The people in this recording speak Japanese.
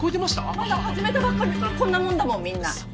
まだ始めたばっかりだからこんなもんだもんみんな。